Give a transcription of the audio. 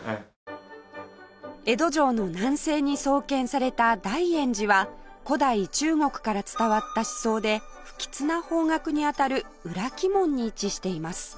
江戸城の南西に創建された大圓寺は古代中国から伝わった思想で不吉な方角に当たる裏鬼門に位置しています